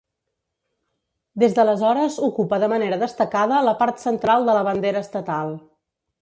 Des d'aleshores ocupa de manera destacada la part central de la bandera estatal.